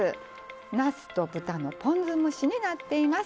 なすと豚のポン酢蒸しになっています。